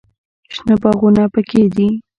شنه باغونه پکښې دي.